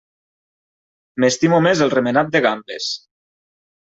M'estimo més el remenat de gambes.